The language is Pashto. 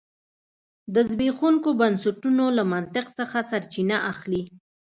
د زبېښونکو بنسټونو له منطق څخه سرچینه اخلي.